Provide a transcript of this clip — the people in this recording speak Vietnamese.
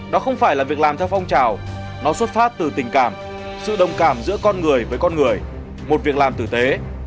đó không phải là việc làm theo phong trào nó xuất phát từ tình cảm sự đồng cảm giữa con người với con người một việc làm tử tế